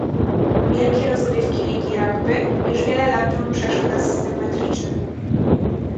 Wielkie rozgrywki ligi rugby już wiele lat temu przeszły na system metryczny